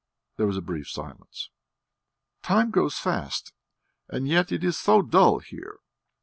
There was a brief silence. "Time goes fast, and yet it is so dull here!"